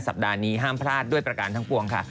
สัปดาห์นี้ห้ามพลาดด้วยประการทั้งปวงค่ะ